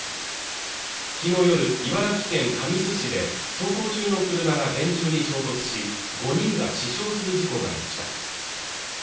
昨日夜茨城県神栖市で走行中の車が電柱に衝突し５人が死傷する事故がありました